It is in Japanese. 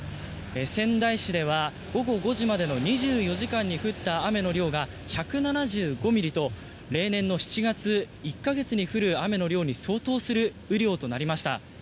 仙台市では午後５時までの２４時間に降った雨の量が１７５ミリと例年の７月１か月に降る雨の量に相当する雨量となりました。